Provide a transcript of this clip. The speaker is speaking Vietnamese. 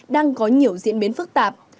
đang có nhiều diễn biến phức tạp